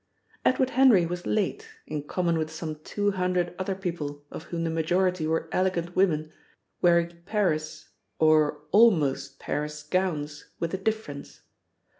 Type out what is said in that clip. Edward Henry was late, in common with some two hundred other people of whom the majority were elegant women wearing Paris or almost Paris gowns with a difference.